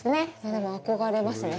でも、憧れますね。